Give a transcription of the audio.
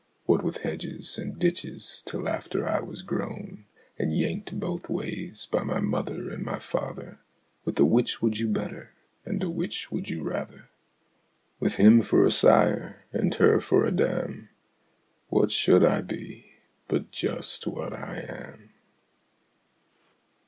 What with hedges and ditches till after I was grown, And yanked both ways by my mother and my father, With a "Which would you better?" and a "Which would you rather?" With him for a sire and her for a dam, What should I be but just what I am?